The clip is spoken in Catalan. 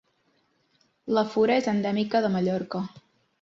La fura és endèmica de Mallorca.